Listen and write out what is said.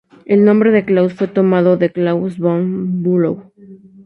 El nombre de Klaus fue tomado de Claus von Bülow.